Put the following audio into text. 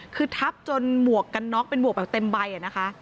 คือทับจนหมวกกันน็อกเป็นหมวกแบบเต็มใบนะคะ